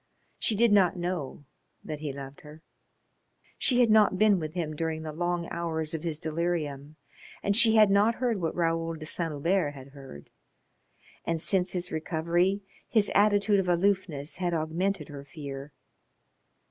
She did not know that he loved her. She had not been with him during the long hours of his delirium and she had not heard what Raoul de Saint Hubert had heard. And since his recovery his attitude of aloofness had augmented her fear.